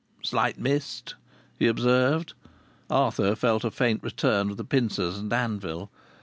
"Slight mist," he observed. Arthur felt a faint return of the pincers and anvil.